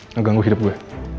ngeganggu hidup gue